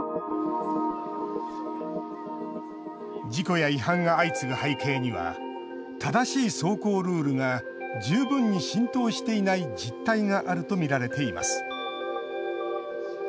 事故や違反が相次ぐ背景には正しい走行ルールが十分に浸透していない実態があると見られています。